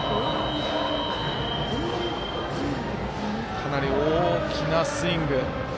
かなり大きなスイング。